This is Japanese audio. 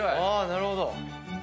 なるほど。